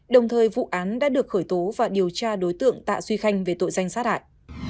đồng thời vụ án đã được khởi tố và điều tra đối tượng tạ duy khanh về tội danh sát hại